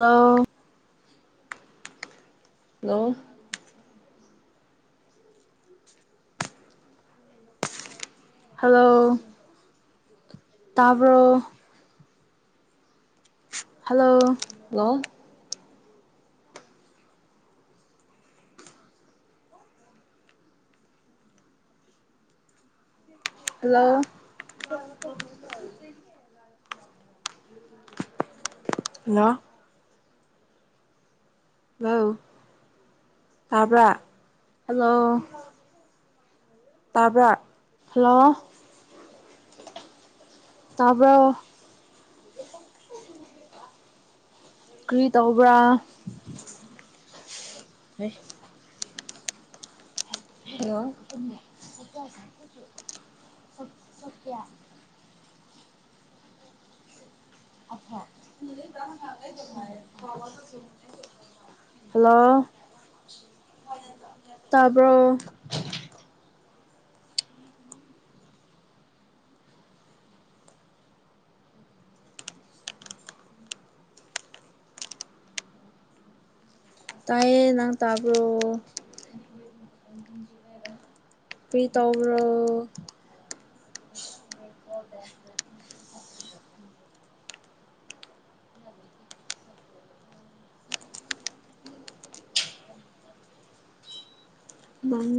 ꯂꯣ hello hello ꯇꯕ꯭ꯔꯣ hello hello hello [inaudible] [inaudible] hello hello ꯇꯥꯕ꯭ꯔꯥ hello ꯇꯥꯕ꯭ꯔꯥ ꯍꯜꯂꯣ ꯇꯥꯕꯔꯣ꯫ ꯀ꯭ꯔꯤ ꯇꯧꯕ꯭ꯔꯥ [inaudible] ꯍꯩ ꯍꯜꯂꯣ [inaudible] [inaudible] ꯍꯜꯂꯣ ꯇꯥꯕ꯭ꯔꯣ ꯇꯥꯢꯌꯦ ꯅꯪ ꯇꯥꯕ꯭ꯔꯣ ꯀ꯭ꯔꯤ ꯇꯧꯕ꯭ꯔꯣ [inaudible] ꯅꯪ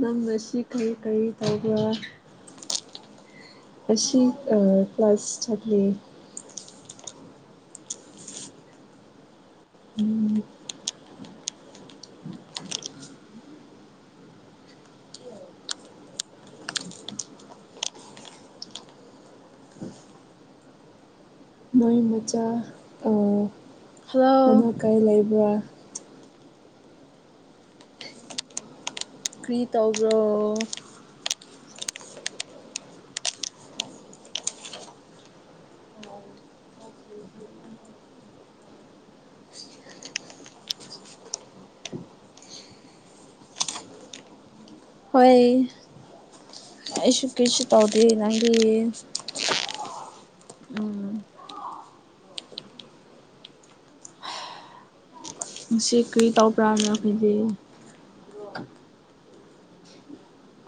ꯅꯪ ꯉꯁꯣ ꯀꯔꯤ ꯀꯔꯤ ꯇꯧꯕ꯭ꯔꯥ ꯉꯁꯤ ꯑ ꯀ꯭ꯂꯥꯁ ꯆꯠꯂꯤ ꯎꯝ ꯃꯣꯏ ꯃꯆꯥ ꯍꯜꯂꯣ ꯃꯅꯥ ꯀꯥꯏ ꯂꯩꯕ꯭ꯔꯥ ꯀ꯭ꯔꯤ ꯇꯧꯕꯔꯣ ꯍꯣꯏ ꯑꯩꯁꯨ ꯀꯩꯁꯨ ꯇꯧꯗꯦ ꯅꯪꯗꯤ ꯎꯝ ꯉꯁꯤ ꯀ꯭ꯔꯤ ꯇꯧꯕ꯭ꯔꯥ ꯅꯥꯈꯣꯏꯗꯤ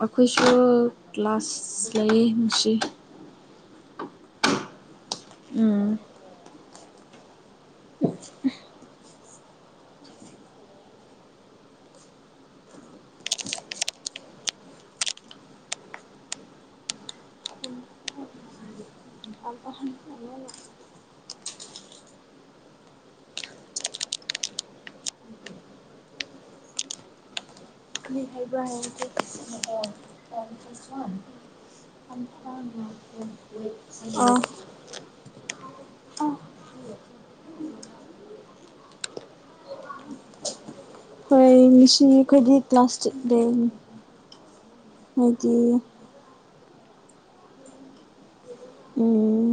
ꯑꯩꯈꯣꯏꯁꯨ ꯀ꯭ꯂꯥꯁ ꯂꯩꯌꯦ ꯉꯁꯤ ꯎꯝ [inaudible] [unintelligible] ꯑꯥ ꯍꯣꯏ ꯉꯁꯤ ꯑꯩꯈꯣꯏꯗꯤ ꯀ꯭ꯂꯥꯁ ꯆꯠꯂꯦ [unintelligible] ꯎꯝ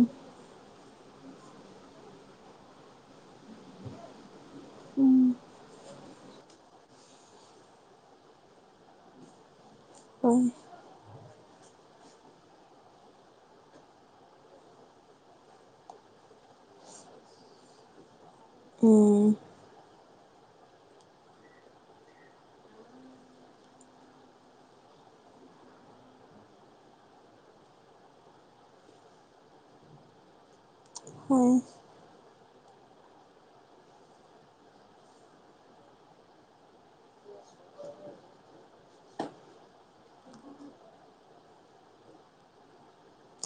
ꯎꯝ [unintelligible] ꯎꯝ ꯍꯣꯢ